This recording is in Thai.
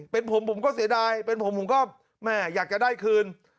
เป็นผมผมก็เสียดายเป็นผมผมก็แม่อยากจะได้คืน